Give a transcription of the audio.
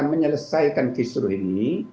menyelesaikan kisru ini